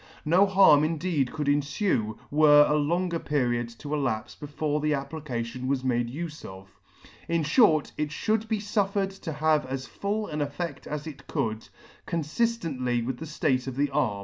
No harm indeed could enfue, were a longer period to elapfe before the application was made ufe of. In % fhort, it fhould be fuffered to have as full an effedt as it could, conliftently with the Hate of the arm.